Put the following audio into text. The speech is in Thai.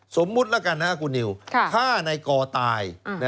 สมมุติแล้วกันนะครับคุณนิวฆ่าในกอตาย